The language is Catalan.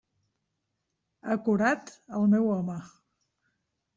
Ha curat el meu home!